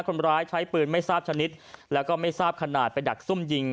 คนร้ายใช้ปืนไม่ทราบชนิดแล้วก็ไม่ทราบขนาดไปดักซุ่มยิง